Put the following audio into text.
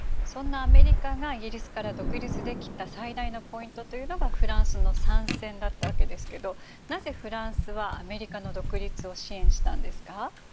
そんなアメリカがイギリスから独立できた最大のポイントというのがフランスの参戦だったわけですけどなぜフランスはアメリカの独立を支援したんですか？